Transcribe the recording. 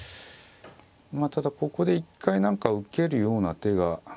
まあただここで一回何か受けるような手が。